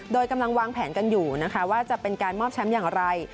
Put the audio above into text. โดยกำลังวางแผนกันอยู่นะคะว่าจะเป็นการมอบแชมป์อย่างไร